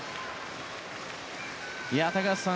高橋さん